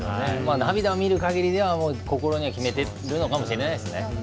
涙を見るかぎりでは心に決めているのかもしれないですね。